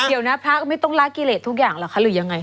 เดี๋ยวนะพระก็ไม่ต้องละกิเลสทุกอย่างเหรอคะหรือยังไง